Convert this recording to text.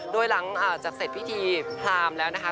โดยหลังจากเสร็จพิธีพรามแล้วนะคะ